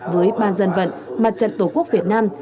với ban dân vận mặt trận tổ quốc việt nam